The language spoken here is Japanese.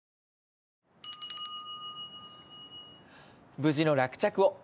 無事の落着を！